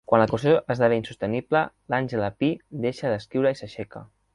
Quan la situació esdevé insostenible, l'Àngela Pi deixa d'escriure i s'aixeca.